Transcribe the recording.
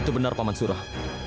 itu benar pak mansurah